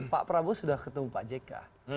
pak prabowo sudah ketemu pak jk